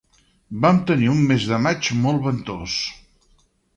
Vam tenir un mes de maig molt ventós.